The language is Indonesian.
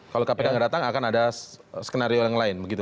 kalau kpk nggak datang akan ada skenario yang lain begitu